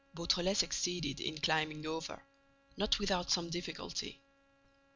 Beautrelet succeeded in climbing over, not without some difficulty.